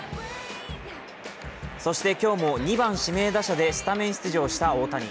そして今日も２番指名打者でスタメン出場した大谷。